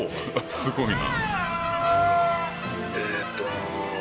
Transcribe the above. すごいな。